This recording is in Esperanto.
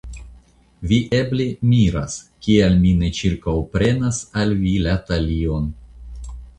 Vi eble miras, kial mi ne ĉirkaŭprenas al vi la talion.